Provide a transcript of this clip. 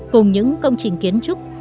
cùng những công trình kiến trúc